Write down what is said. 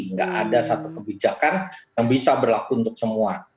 nggak ada satu kebijakan yang bisa berlaku untuk semua